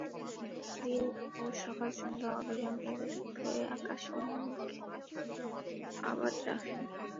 তারা রাত-দিন ও সকাল-সন্ধ্যা অবিরাম ইবাদত করে আকাশসমূহকে আবাদ রাখেন।